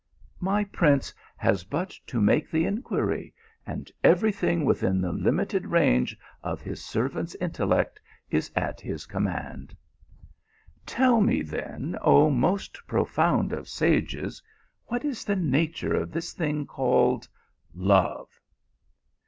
" My prince has but to make the inquiry, and every thing within the limited range of his servant s intellect is at his command." " Tell me then, oh most profound of sages, what is the nature of this thing called love